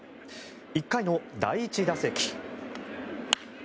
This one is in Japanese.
１回の第１打席。